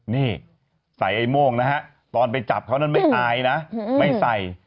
นี่ใส่ไอ้โม่งนะฮะตอนไปจับเขานั้นไม่อายนะไม่ใส่